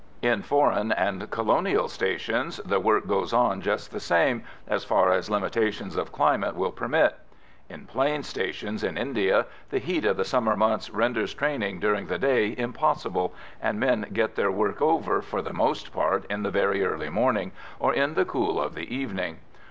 In foreign and colonial stations, the work goes on just the same, as far as limitations of climate will permit. In "plains" stations in India, the heat of the summer months renders training during the day impossible, and men get their work over, for the most part, in the very early morning, or in the cool of the evening.